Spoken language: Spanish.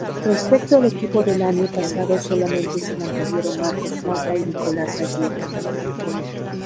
Respecto al equipo del año pasado solamente se mantuvieron Marcos Mata y Nicolás Aguirre.